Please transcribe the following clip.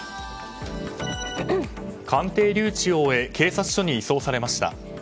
鑑定留置を終え警察署に移送されました。